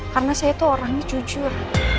karena saya itu orangnya jujur